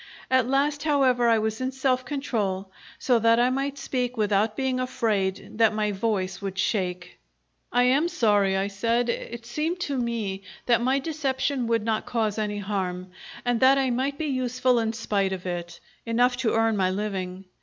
At last, however, I was in self control, so that I might speak without being afraid that my voice would shake. "I am sorry," I said. "It seemed to me that my deception would not cause any harm, and that I might be useful in spite of it enough to earn my living.